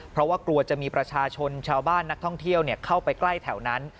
เพราะว่ากลัวจะมีประชาชนชาวบ้านนักท่องเที่ยวเข้าไปใกล้แถวนั้น